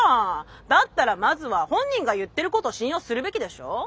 だったらまずは本人が言ってることを信用するべきでしょ！